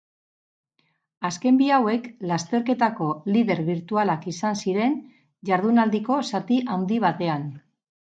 Azken bi hauek lasterketako lider birtualak izan ziren jardunaldiko zati handi batean.